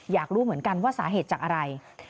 อยากรู้เหมือนกันว่าสาเหตุจากอะไร